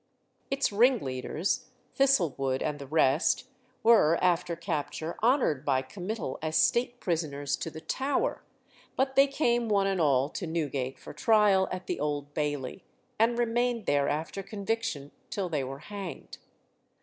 Its ringleaders, Thistlewood and the rest, were after capture honoured by committal as State prisoners to the Tower, but they came one and all to Newgate for trial at the Old Bailey, and remained there after conviction till they were hanged.